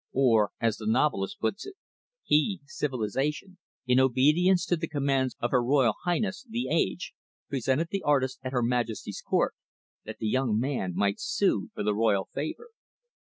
Or, as the novelist put it, he, "Civilization", in obedience to the commands of her "Royal Highness", "The Age", presented the artist at her "Majesty's Court"; that the young man might sue for the royal favor.